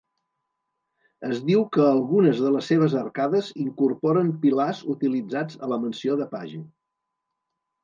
Es diu que algunes de les seves arcades incorporen pilars utilitzats a la mansió de Page.